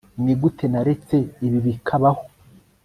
nigute naretse ibi bikabaho